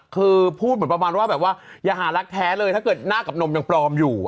คือพูดเหมือนประมาณว่าแบบว่าอย่าหารักแท้เลยถ้าเกิดหน้ากับนมยังปลอมอยู่